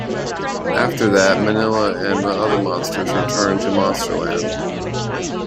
After that, Minilla and the other monsters return to Monsterland.